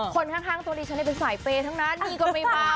คนข้างตัวดิฉันเป็นสายเปย์ทั้งนั้นนี่ก็ไม่เบา